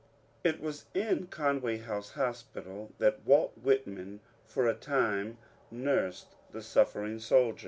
It was in Conway House hospital that Walt Whitman, for a time, nursed the suffering soldiers.